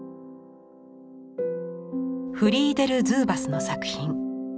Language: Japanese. フリーデル・ズーバスの作品。